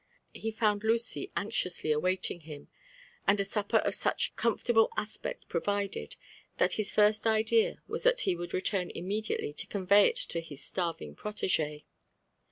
He found Lucy anxiously awaitiog him, and a tfupper Of such com fortable aspect provided, that his first idea was that* he would return immediately to convey it to his starvipg proteg6.